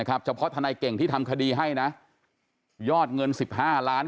คุณอย่างงั้น